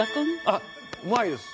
あっうまいです。